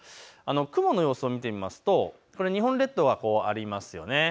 雲の様子を見てみますと日本列島がありますね。